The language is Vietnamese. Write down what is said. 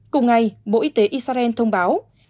cùng ngày bộ y tế israel thông báo